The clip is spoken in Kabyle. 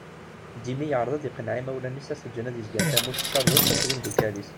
Jimmy yeɛreḍ ad iqenneɛ imawlan-is ad t-ǧǧen ad yezger tamurt s tkeṛṛust akked imdukal-is.